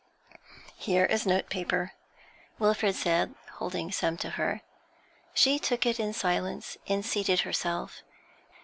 'Here is note paper,' Wilfrid said, holding some to her. She took it in silence, and seated herself.